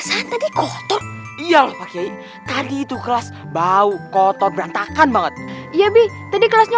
iya lho pakai tadi itu kelas bau kotor berantakan banget ya bi tadi kelasnya